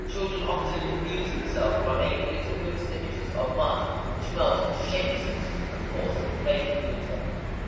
Children often amuse themselves by making little Buddhist images of mud, which melt into shapelessness, of course, if placed in water.